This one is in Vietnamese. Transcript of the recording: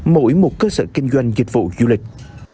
mỗi một cơ sở kinh doanh dịch vụ du lịch